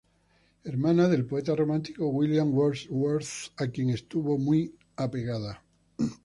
Hermana del poeta romántico William Wordsworth, a quien estuvo muy apegada.